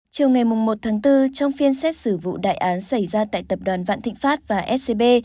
chiều ngày một tháng bốn trong phiên xét xử vụ đại án xảy ra tại tập đoàn vạn thịnh pháp và scb